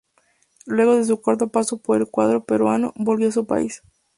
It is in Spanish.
Luego de su corto paso por el cuadro peruano, volvió a su país.